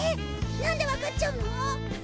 なんでわかっちゃうの？